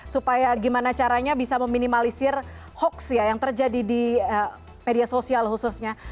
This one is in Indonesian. supaya gimana caranya bisa meminimalisir hoax ya yang terjadi di media sosial khususnya